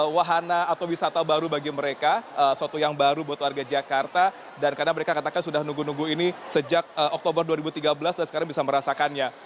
wahana atau wisata baru bagi mereka suatu yang baru buat warga jakarta dan karena mereka katakan sudah nunggu nunggu ini sejak oktober dua ribu tiga belas dan sekarang bisa merasakannya